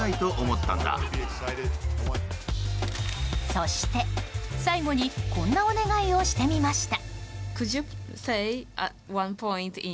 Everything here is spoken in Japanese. そして最後にこんなお願いをしてみました。